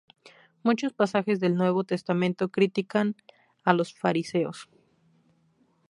Muchos pasajes del Nuevo Testamento critican a los fariseos.